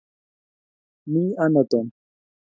Mi ano Tom?